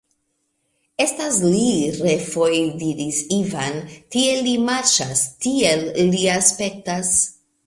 Estas li!refoje diris Ivan, tiel li marŝas, tiel li aspektas.